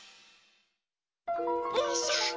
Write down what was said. よいしょ。